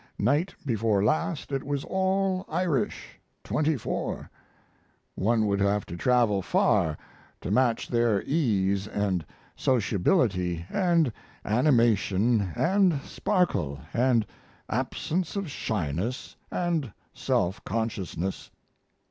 Night before last it was all Irish 24. One would have to travel far to match their ease & sociability & animation & sparkle & absence of shyness & self consciousness.